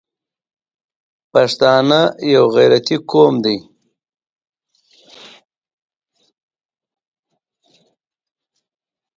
پښتانه یو غیرتي قوم دی.